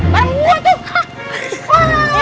bareng gue tuh